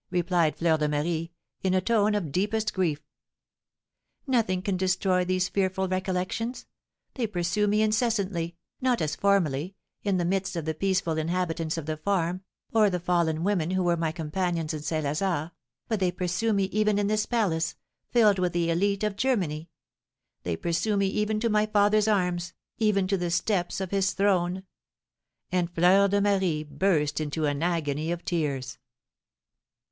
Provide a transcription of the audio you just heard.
replied Fleur de Marie, in a tone of deepest grief. "Nothing can destroy these fearful recollections, they pursue me incessantly, not as formerly, in the midst of the peaceful inhabitants of the farm, or the fallen women who were my companions in St. Lazare, but they pursue me even in this palace, filled with the élite of Germany; they pursue me even to my father's arms, even to the steps of his throne!" And Fleur de Marie burst into an agony of tears.